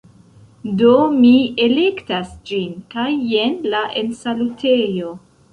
Do, mi elektas ĝin kaj jen la ensalutejo